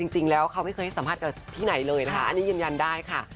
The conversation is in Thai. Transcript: จริงแล้วเขาไม่เคยให้สัมภาษณ์กับที่ไหนเลยนะคะอันนี้ยืนยันได้ค่ะ